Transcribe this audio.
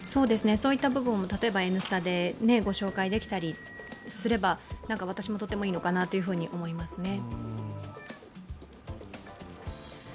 そういった部分も、例えば「Ｎスタ」で御紹介できたりすれば私も、とてもいいのかなと思います